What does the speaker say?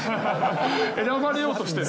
選ばれようとしてる？